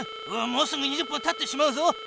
もうすぐ２０分たってしまうぞ。